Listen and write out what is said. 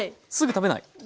すぐ食べない？